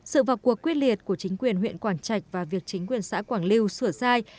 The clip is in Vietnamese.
sự vào cuộc quyết liệt của chính quyền huyện quảng trạch và việc chính quyền xã quảng lưu sửa sai